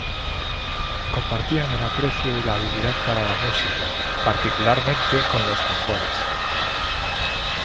Compartían el aprecio y la habilidad para la música—particularmente con los tambores.